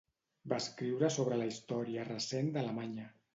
Va escriure sobre la història recent d'Alemanya.